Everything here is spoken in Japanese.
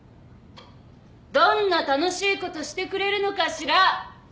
どんな楽しいことしてくれるのかしら！